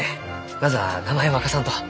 まずは名前を明かさんと。